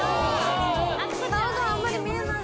顔があんまり見えない！